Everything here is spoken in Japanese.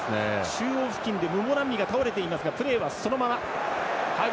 中央付近でムボナンビが倒れていますがプレーはそのまま。